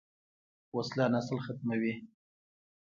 وسله نسل ختموي